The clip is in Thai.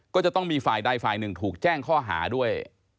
ก็จะต้องมีฝ่ายใดฝ่ายหนึ่งถูกแจ้งข้อหาด้วย